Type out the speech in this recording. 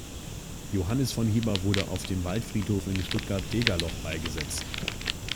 Johannes von Hieber wurde auf dem Waldfriedhof in Stuttgart-Degerloch beigesetzt.